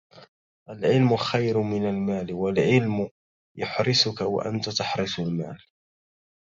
العلم خير من المال، العلم يحرسك وأنت تحرس المال.